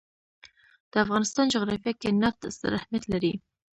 د افغانستان جغرافیه کې نفت ستر اهمیت لري.